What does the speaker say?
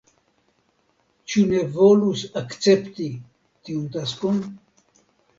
Ĉu ne volus akcepti tiun taskon?